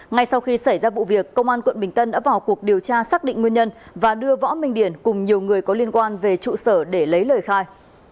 ngay sau khi xảy ra vụ việc công an quận bình tân đã vào cuộc điều tra xác định nguyên nhân và đưa võ minh điển cùng nhiều người có liên quan về trụ sở để lấy lời khai